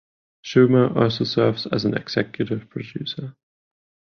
Schumer also serves as an executive producer.